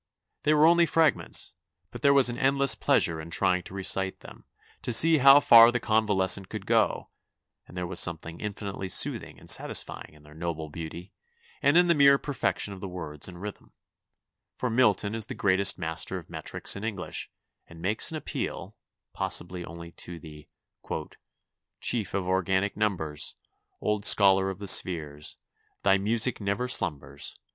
They were only fragments, but there was an endless pleasure in tiying to recite them, to see how far the convalescent could go, and there was something infinitely soothing and satisf^dng in their noble beauty and in the mere perfection of the words and rhythm, for Milton is the greatest master of metrics in English and makes an appeal, possible only to the " Chief of organic numbers ! Old scholar of the spheres ! Thy music never slumbers.